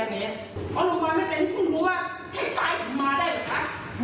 เมียคมมือก็ไม่กลับบ้านอย่างนี้